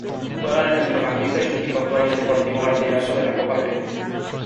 Juega de centrocampista y su equipo actual es Deportivo Garcilaso de la Copa Perú.